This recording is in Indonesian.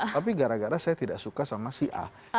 tapi gara gara saya tidak suka sama si a